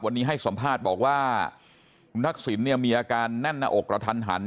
วันนี้ให้สัมภาษณ์บอกว่าคุณทักษิณเนี่ยมีอาการแน่นหน้าอกกระทันหัน